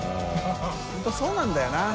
榲そうなんだよな。